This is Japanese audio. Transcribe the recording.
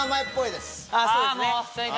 そうですね！